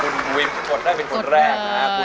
คุณวินกดได้เป็นคนแรกนะครับ